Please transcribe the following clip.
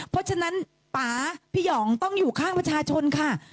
เพราะฉะนั้นป๊าพี่หยองต้องอยู่ข้างประชาชนค่ะ